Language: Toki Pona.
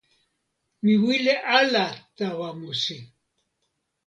mi wile ala tawa musi.